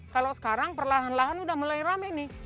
kalau sekarang perlahan lahan udah mulai rame nih